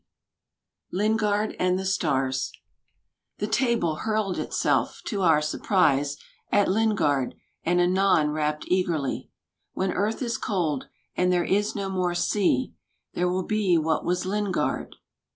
|53| LINGARD AND THE STARS The table hurled itself, to our surprise, At Lingard, and anon rapped eagerly: ''When earth is cold and there is no more sea, There will be what was Lingard.